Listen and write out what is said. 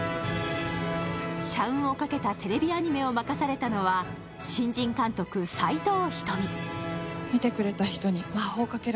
社運を賭けたテレビアニメを任されたのは、新人監督、斎藤瞳。